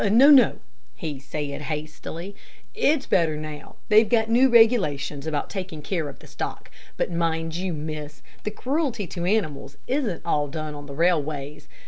"No, no," he said, hastily. "It's better now. They've got new regulations about taking care of the stock; but mind you, miss, the cruelty to animals isn't all done on the railways.